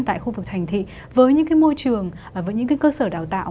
tại khu vực thành thị với những cái môi trường với những cái cơ sở đào tạo